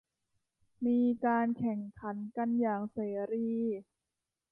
มีการแข่งขันกันอย่างเสรี